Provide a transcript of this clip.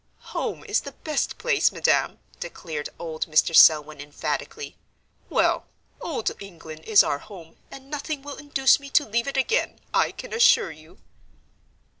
"Home is the best place, Madam," declared old Mr. Selwyn emphatically. "Well, Old England is our home, and nothing will induce me to leave it again, I can assure you."